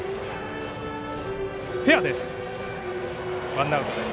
フェアです。